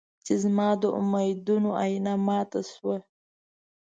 چې زما د امېدونو ائين مات شو